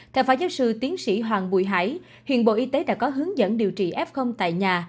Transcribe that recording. theo phó giáo sư tiến sĩ hoàng bùi hải hiện bộ y tế đã có hướng dẫn điều trị f tại nhà